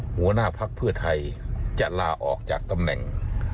หัวหน้าภักดิ์เพื่อไทยจะลาออกจากตำแหน่ง